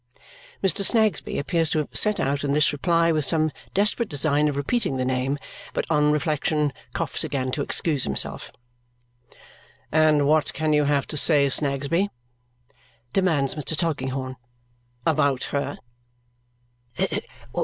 Mr. Snagsby appears to have set out in this reply with some desperate design of repeating the name, but on reflection coughs again to excuse himself. "And what can you have to say, Snagsby," demands Mr. Tulkinghorn, "about her?"